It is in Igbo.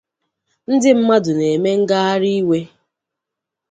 ndị mmadụ na-eme ngagharị iwe